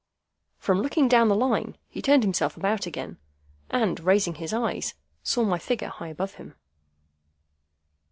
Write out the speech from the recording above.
From looking down the Line, he turned himself about again, and, raising his eyes, saw my figure high above him.